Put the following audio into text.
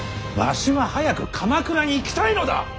わしは早く鎌倉に行きたいのだ！